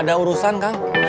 ada urusan kang